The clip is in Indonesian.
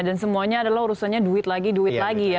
dan semuanya adalah urusannya duit lagi duit lagi ya